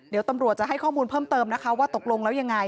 เดี๋ยวตำรวจจะให้ข้อมูลเพิ่มเติมนะคะว่าตกลงแล้วยังไง